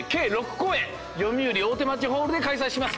よみうり大手町ホールで開催します。